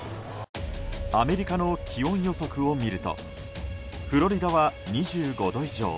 アメリカの気温予測を見るとフロリダは２５度以上。